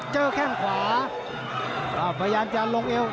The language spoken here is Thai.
เจอแข้งขวาประยานจะลงโอเขียบ